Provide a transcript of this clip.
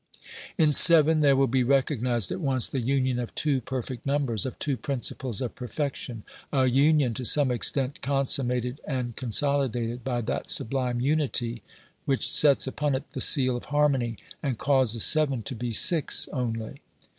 In Seven there will be recognised at once the union of two perfect numbers, of two principles of perfection, a union to some extent consummated and consolidated by that sublime unity which sets upon it the seal of harmony, and causes seven to be six only.